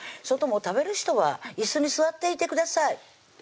それともう食べる人はいすに座っていてください